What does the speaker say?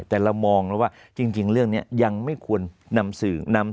คุณเท่าไรแต่เรามองว่าจริงเรื่องนี้ยังไม่ควรนำสื่อนำ